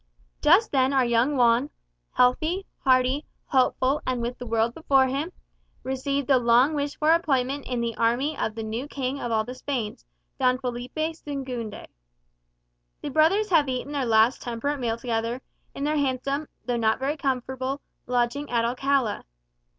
Just then our young Juan, healthy, hearty, hopeful, and with the world before him, received the long wished for appointment in the army of the new King of all the Spains, Don Felipe Segunde. The brothers have eaten their last temperate meal together, in their handsome, though not very comfortable, lodging at Alcala.